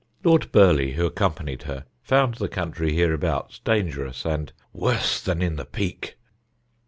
Lord Burleigh, who accompanied her, found the country hereabouts dangerous, and "worse than in the Peak."